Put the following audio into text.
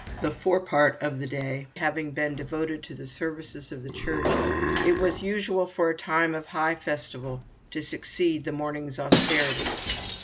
The fore part of the day having been devoted to the services of the Church, it was usual for a time of high festival to succeed the morning's austerities.